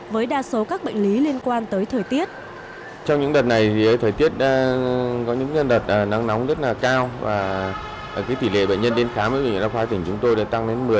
với đa số các bệnh lý liên quan tới thời tiết